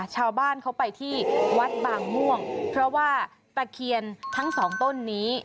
ชาวบ้านเขาไปที่วัดบางม่วงเพราะว่าตะเคียนทั้งสองต้นนี้